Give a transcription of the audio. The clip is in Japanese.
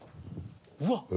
うわっ！